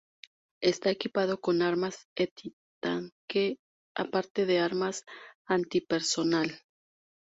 Está equipado con armas antitanque, aparte de armas antipersonal.